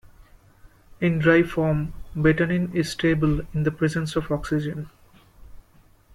In dry form betanin is stable in the presence of oxygen.